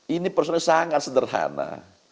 ini persoalnya sangat sederhana